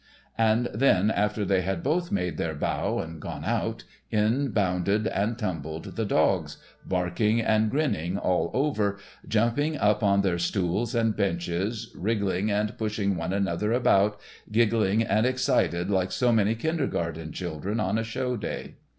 And then, after they had both made their bow and gone out, in bounded and tumbled the dogs, barking and grinning all over, jumping up on their stools and benches, wriggling and pushing one another about, giggling and excited like so many kindergarten children on a show day.